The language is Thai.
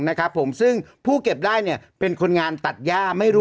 นะครับผมซึ่งผู้เก็บได้เนี่ยเป็นคนงานตัดย่าไม่รู้